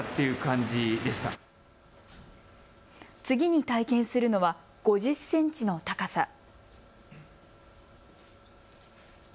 次に体験するのは５０センチの高さ。